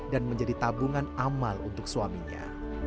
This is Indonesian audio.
dan menjadi tabungan amal untuk suaminya